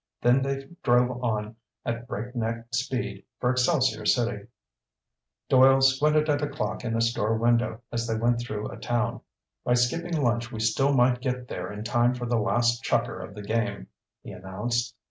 Then they drove on at break neck speed for Excelsior City. Doyle squinted at a clock in a store window as they went through a town. "By skipping lunch we still might get there in time for the last chukker of the game," he announced.